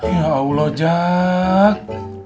ya allah jak